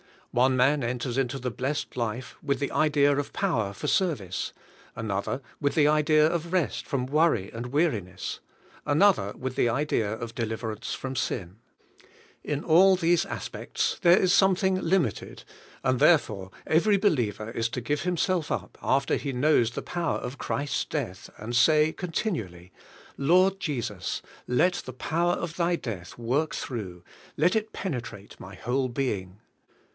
One man enters into the blessed life with the idea of power for service; another with the idea of rest from worry and weariness; another with the idea of de liverance from sin. In all these aspects there is something limited, and therefore every believer is to give himself up after he knows the power of Christ's death, and say continually: ''Lord Jesus, let the power of Thy death work through, let it penetrate my whole being."